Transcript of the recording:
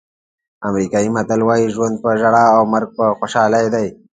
امریکایي متل وایي ژوند په ژړا او مرګ په خوشحالۍ دی.